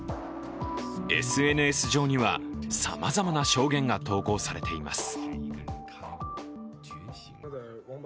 ＳＮＳ上には、さまざまな証言が投稿されています。